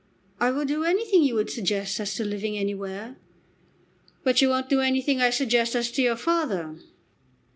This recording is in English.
"I would do anything you would suggest as to living anywhere." "But you won't do anything I suggest as to your father."